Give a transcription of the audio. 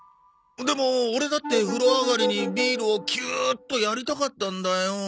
でもオレだって風呂上がりにビールをキューッとやりたかったんだよ。